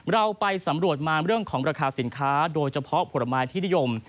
เราไปสำรวจมาเรื่องของราคาสินค้าโดยเฉพาะผลไม้ที่นิยม